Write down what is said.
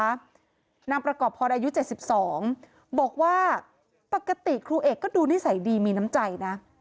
นางประกอบพรอายุ๗๒บอกว่าปกติครูเอกก็ดูนิสัยดีมีน้ำใจนะ